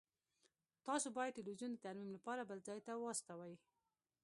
تاسو باید تلویزیون د ترمیم لپاره بل ځای ته واستوئ